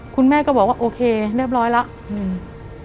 คุณแม่ก็บอกว่าโอเคเรียบร้อยแล้วอืม